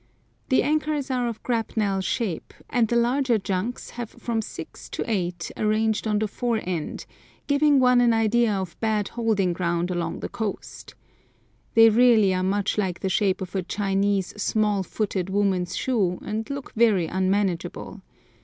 The anchors are of grapnel shape, and the larger junks have from six to eight arranged on the fore end, giving one an idea of bad holding ground along the coast. They really are much like the shape of a Chinese "small footed" woman's shoe, and look very unmanageable.